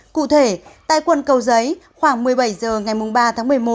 cụ thể tại quận cầu giấy khoảng một mươi bảy h ngày ba tháng một mươi một